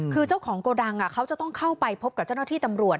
คือเจ้าของโกดังเขาจะต้องเข้าไปพบกับเจ้าหน้าที่ตำรวจ